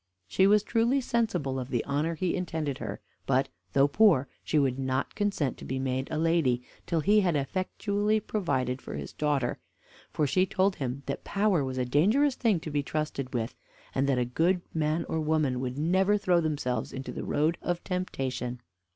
She was truly sensible of the honor he intended her, but, though poor, she would not consent to be made a lady till he had effectually provided for his daughter; for she told him that power was a dangerous thing to be trusted with, and that a good man or woman would never throw themselves into the road of temptation.